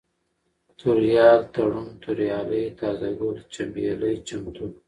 توريال ، تړون ، توريالی ، تازه گل ، چمبېلى ، چمتو